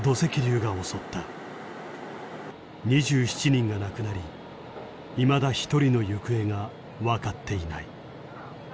２７人が亡くなりいまだ１人の行方がわかっていない。